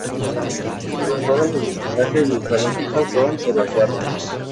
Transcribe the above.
Todos los visitantes del zoológico son evacuados.